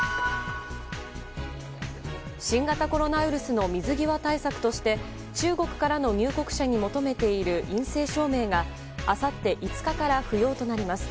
新型コロナウイルスの水際対策として中国からの入国者に求めている陰性証明があさって５日から不要となります。